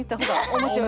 面白い。